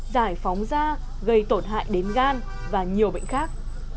giải phóng da gây tổn hại đến gan và nhiều bệnh khác